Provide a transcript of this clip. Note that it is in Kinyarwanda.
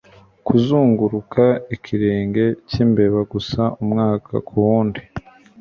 Kuzunguruka ikirenge cyimbeba gusa umwaka kuwundi